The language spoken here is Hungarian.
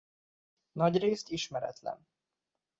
Nagyrészt ismeretlen.